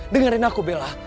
dengerin aku bella